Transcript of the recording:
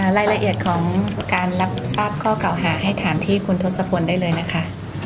รายละเอียดของการรับทราบข้อเก่าหาให้ถามที่คุณทศพลได้เลยนะคะ